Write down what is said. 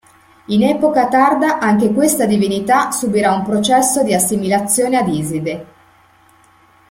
In epoca tarda anche questa divinità subirà un processo di assimilazione ad Iside.